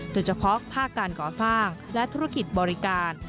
โดยเฉพาะภาคการก่อสร้างและธุรกิจบริการ